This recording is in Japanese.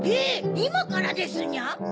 いまからですニャ？